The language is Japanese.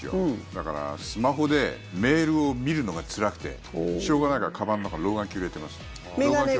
だから、スマホでメールを見るのがつらくてしょうがないからかばんの中に老眼鏡入れてます。